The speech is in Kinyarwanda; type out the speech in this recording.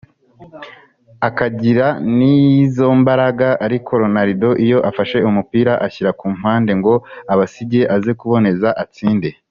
akagira n’izo mbaraga ariko Ronaldo iyo afashe umupira ashyira ku mpande ngo abasige aze kuboneza atsinde